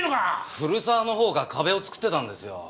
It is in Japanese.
古沢のほうが壁を作ってたんですよ。